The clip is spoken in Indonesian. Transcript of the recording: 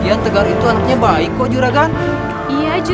aku sama bapakku